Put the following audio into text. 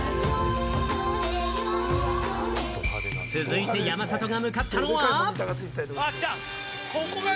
続いて、山里が向かったのは。